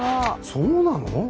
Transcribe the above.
そうなの？